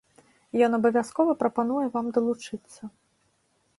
Ён абавязкова прапануе вам далучыцца.